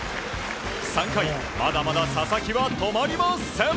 ３回、まだまだ佐々木は止まりません。